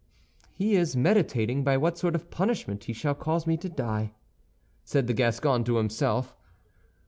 "He is meditating by what sort of punishment he shall cause me to die," said the Gascon to himself.